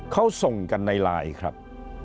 เขาส่งกันในไลน์ครับ